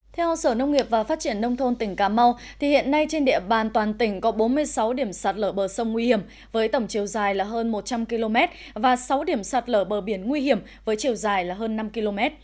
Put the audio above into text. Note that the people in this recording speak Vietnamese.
theo sở nông nghiệp và phát triển nông thôn tỉnh cà mau hiện nay trên địa bàn toàn tỉnh có bốn mươi sáu điểm sạt lở bờ sông nguy hiểm với tổng chiều dài hơn một trăm linh km và sáu điểm sạt lở bờ biển nguy hiểm với chiều dài hơn năm km